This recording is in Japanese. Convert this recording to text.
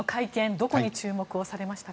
どこに注目されましたか？